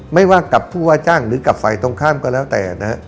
ไม่ว่ากับผู้ว่าจ้างหรือกับฝ่ายตรงข้ามก็แล้วแต่นะฮะ